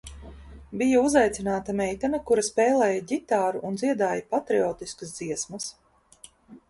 Bija uzaicināta meitene, kura spēlēja ģitāru un dziedāja patriotiskas dziesmas.